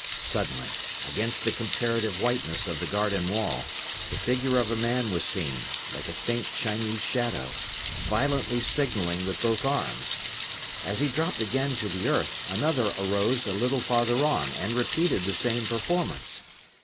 Suddenly, against the comparative whiteness of the garden wall, the figure of a man was seen, like a faint Chinese shadow, violently signalling with both arms. As he dropped again to the earth, another arose a little farther on and repeated the same performance.